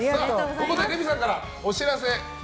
ここでレミさんからお知らせ。